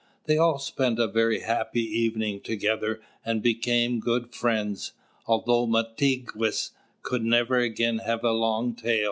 They all spent a very happy evening together, and became good friends, although Mātigwess could never again have a long tail.